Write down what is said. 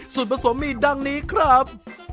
ส่วนผสมมีดังนี้ครับ